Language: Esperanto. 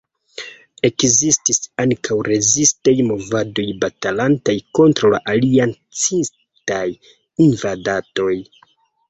Ekzistis ankaŭ rezistaj movadoj batalantaj kontraŭ la Aliancitaj invadantoj.